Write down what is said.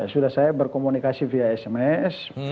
sudah saya berkomunikasi via sms